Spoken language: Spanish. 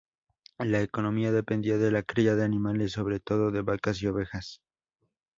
La economía dependía de la cría de animales, sobre todo de vacas y ovejas.